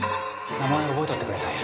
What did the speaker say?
名前覚えとってくれたんや